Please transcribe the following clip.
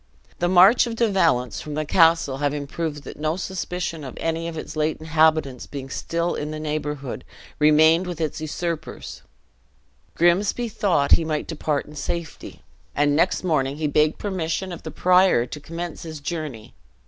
The march of De Valence from the castle having proved that no suspicion of any of its late inhabitants being still in the neighborhood remained with its usurpers, Grimsby thought he might depart in safety; and next morning he begged permission of the prior to commence his journey.